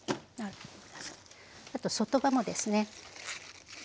あと外葉もですね。